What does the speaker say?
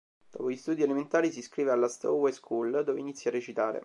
Dopo gli studi elementari, si iscrive alla Stowe School dove inizia a recitare.